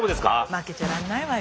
負けちゃらんないわよ！